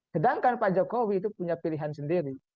sedangkan pak jokowi itu punya pilihan sendiri